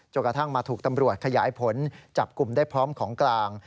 กระทั่งมาถูกตำรวจขยายผลจับกลุ่มได้พร้อมของกลาง